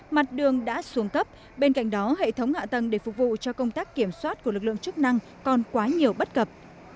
mặt đường đã xuống cấp bên cạnh đó hệ thống hạ tầng để phục vụ cho công tác kiểm soát của lực lượng chức năng còn quá nhiều bất cập